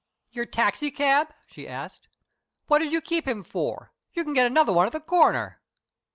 Your taxicab?" she asked. "What did you keep him for? You can get another one at the corner."